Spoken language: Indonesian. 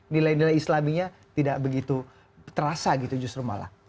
nilai nilai islamiyah tidak begitu terasa gitu justru malah